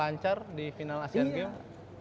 lanjar di final asian games